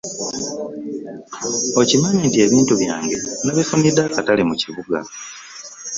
Okimanyi nti ebintu byange nabifunide akatale mu kibuga.